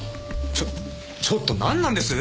ちょちょっとなんなんです？